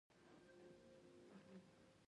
زه وه بار ته ولاړم او هلته مې یو څه وڅښل.